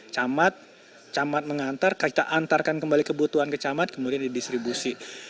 camat camat mengantar kita antarkan kembali kebutuhan ke camat kemudian didistribusi